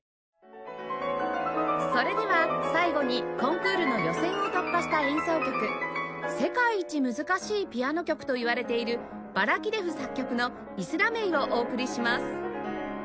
それでは最後にコンクールの予選を突破した演奏曲世界一難しいピアノ曲といわれているバラキレフ作曲の『イスラメイ』をお送りします